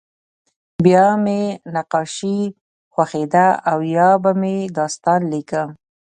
بیا به مې نقاشي خوښېده او یا به مې داستان لیکه